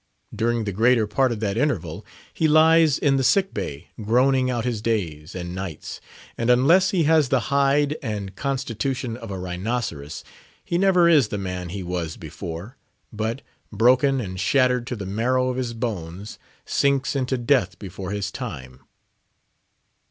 During the greater part of that interval he lies in the sick bay, groaning out his days and nights; and unless he has the hide and constitution of a rhinoceros, he never is the man he was before, but, broken and shattered to the marrow of his bones, sinks into death before his time.